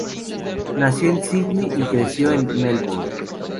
Nació en Sídney y creció en Melbourne.